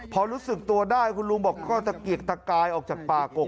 พอรู้สึกตัวได้คุณลุงบอกก็ตะเกียกตะกายออกจากป่ากก